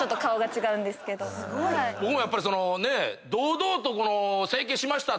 僕もやっぱりそのね。